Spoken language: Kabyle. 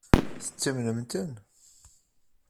Tettamnemt-ten?